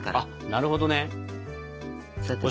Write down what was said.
なるほどね。